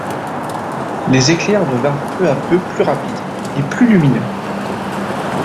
Les éclairs devinrent peu à peu plus rapides et plus lumineux